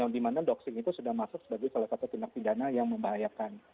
di mana doxing itu sudah masuk sebagai salah satu tindak pidana yang membahayakan